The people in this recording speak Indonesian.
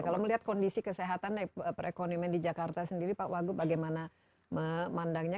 kalau melihat kondisi kesehatan perekonomian di jakarta sendiri pak wagub bagaimana memandangnya